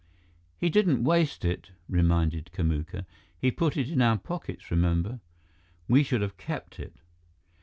"He didn't waste it," reminded Kamuka. "He put it in our pockets, remember? We should have kept it."